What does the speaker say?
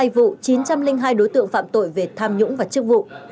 bốn trăm chín mươi hai vụ chín trăm linh hai đối tượng phạm tội về tham nhũng và chức vụ